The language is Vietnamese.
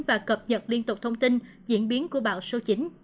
và cập nhật liên tục thông tin diễn biến của bão số chín